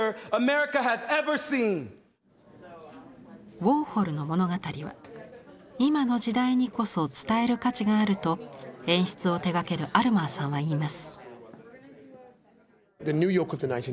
ウォーホルの物語は今の時代にこそ伝える価値があると演出を手がけるアルマーさんは言います。